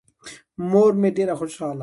مور مې ډېره خوشاله وه.